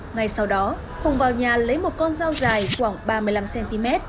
ngay sau đó hùng vào nhà lấy một con dao dài khoảng ba mươi năm cm